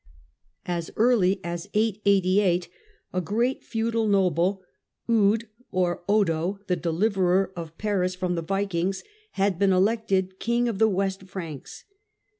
As early as 888, a great feudal noble, Eude or Odo, the deliverer of Paris from the Vikings, had been elected king of the West Franks.